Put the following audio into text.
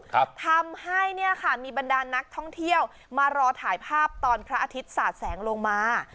ทำให้เนี่ยค่ะมีบรรดานนักท่องเที่ยวมารอถ่ายภาพตอนพระอาทิตย์สาดแสงลงมา